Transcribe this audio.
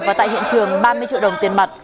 và tại hiện trường ba mươi triệu đồng tiền mặt